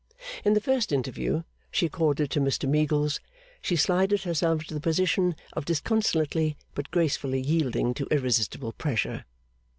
In the first interview she accorded to Mr Meagles, she slided herself into the position of disconsolately but gracefully yielding to irresistible pressure.